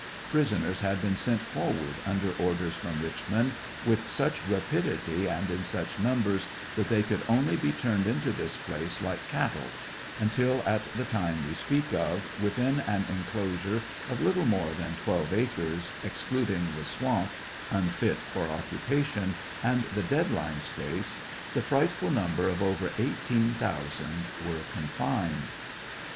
Prisoners had been sent forward, under orders from Richmond, with such rapidity and in such numbers that they could only be turned into this place like cattle, until at the time we speak of, within, an enclosure of little more than twelve acres, excluding the swamp, unfit for occupation, and the dead line space, the frightful number of over 18,000 were confined.